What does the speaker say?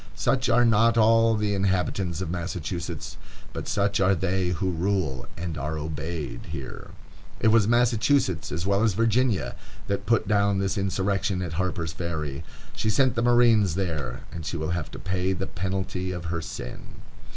Such are not all the inhabitants of Massachusetts, but such are they who rule and are obeyed here. It was Massachusetts, as well as Virginia, that put down this insurrection at Harper's Ferry. She sent the marines there, and she will have to pay the penalty of her sin.